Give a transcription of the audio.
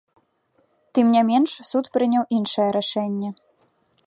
Тым не менш, суд прыняў іншае рашэнне.